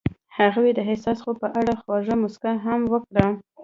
هغې د حساس خوب په اړه خوږه موسکا هم وکړه.